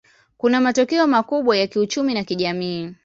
Kuna matokeo makubwa ya kiuchumi na kijamii.